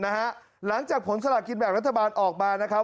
หลังจากผลสลากกินแบ่งรัฐบาลออกมานะครับ